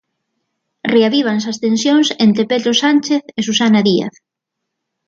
Reavívanse as tensións entre Pedro Sánchez e Susana Díaz.